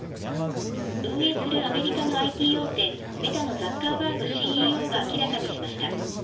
運営するアメリカのＩＴ大手、メタのザッカーバーグＣＥＯが明らかにしました。